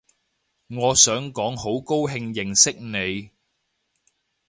我想講好高興認識你